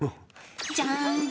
じゃん！